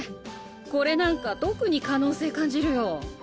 これなんか特に可能性感じるよ。